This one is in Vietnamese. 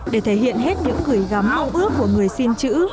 để thể hiện hết những gửi gắm mong ước của người xin chữ